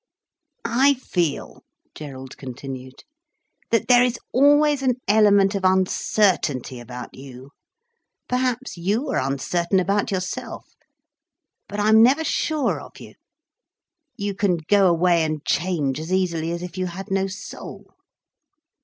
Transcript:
"I feel," Gerald continued, "that there is always an element of uncertainty about you—perhaps you are uncertain about yourself. But I'm never sure of you. You can go away and change as easily as if you had no soul."